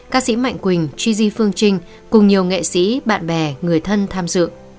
ca sĩ mạnh quỳnh chi di phương trinh cùng nhiều nghệ sĩ bạn bè người thân tham dự